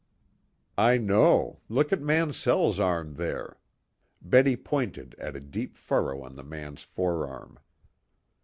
"I know. Look at Mansell's arm there." Betty pointed at a deep furrow on the man's forearm.